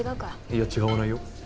いや違わないよ。